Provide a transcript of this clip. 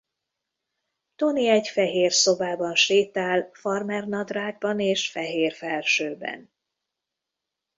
Toni egy fehér szobában sétál farmernadrágban és fehér felsőben.